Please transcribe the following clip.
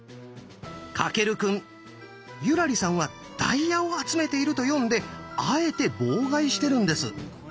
翔くん優良梨さんは「ダイヤを集めている」とよんであえて妨害してるんです。